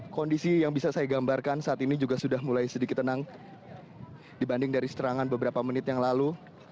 kondisi yang bisa saya gambarkan saat ini juga sudah mulai sedikit tenang dibanding dari serangan beberapa menit yang lalu